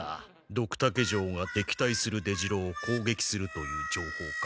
ドクタケ城が敵対する出城を攻撃するという情報か。